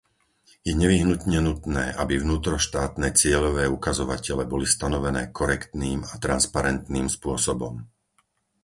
Je nevyhnutne nutné, aby vnútroštátne cieľové ukazovatele boli stanovené korektným a transparentným spôsobom.